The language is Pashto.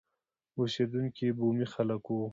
اوسېدونکي یې بومي خلک وو.